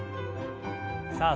さあ